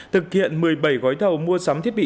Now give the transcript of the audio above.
thực hiện một mươi bảy gói thầu mua sắm thiết bị